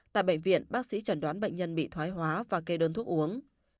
tại bệnh viện bác sĩ chẩn đoán bệnh nhân bị thoái hóa và kê đơn thuốc uống